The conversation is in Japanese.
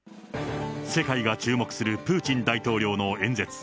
世界が注目するプーチン大統領の演説。